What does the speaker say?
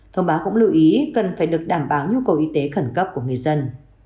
thông báo cũng lưu ý cần phải được đảm bảo nhu cầu y tế khẩn cấp của người dân